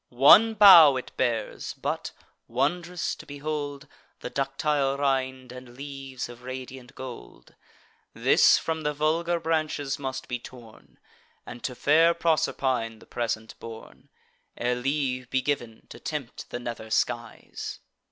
One bough it bears; but wondrous to behold! The ductile rind and leaves of radiant gold: This from the vulgar branches must be torn, And to fair Proserpine the present borne, Ere leave be giv'n to tempt the nether skies.